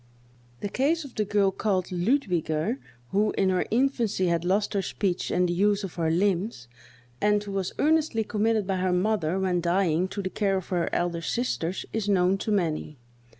The case of the girl called Ludwiger, who, in her infancy, had lost her speech and the use of her limbs, and who was earnestly committed by her mother, when dying, to the care of her elder sisters, is known to many.